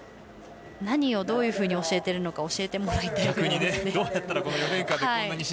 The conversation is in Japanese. どういうふうに教えているのか教えてもらいたいです。